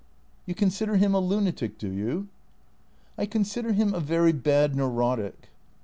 " You consider him a lunatic, do you ?"" I consider him a very bad neurotic."